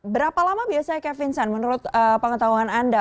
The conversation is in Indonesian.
berapa lama biasanya kevin sun menurut pengetahuan anda